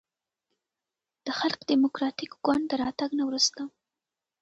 د خلق دیموکراتیک ګوند د راتګ نه وروسته